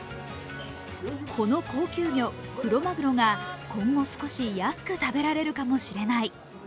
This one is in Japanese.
この高級魚、クロマグロが今後少し安く食べられるかもしれない。